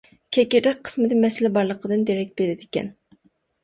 كېكىردەك قىسمىدا مەسىلە بارلىقىدىن دېرەك بېرىدىكەن.